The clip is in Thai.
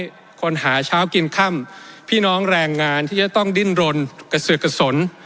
คนหาเช้ากินค่ำพี่น้องแรงงานที่จะต้องดิ้นรนกระสือกระสน